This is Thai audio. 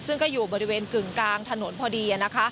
ซึ่งก็อยู่บริเวณกึ่งกลางถนนพอดี